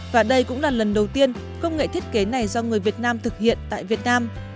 và đây cũng là lần đầu tiên công nghệ thiết kế này do người việt nam thực hiện tại việt nam